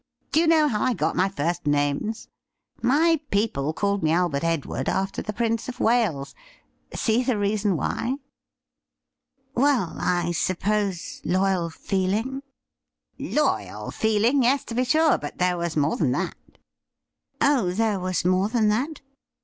' Do you know how I got my first names ? My people called me Albert Edward after the Prince of Wales. See the reason why ?'' Well, I suppose loyal feeling "*' Loyal feeling — ^yes, to be sure ; but there was more than that.' ' Oh, there was more than that